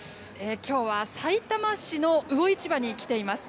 きょうはさいたま市の魚市場に来ています。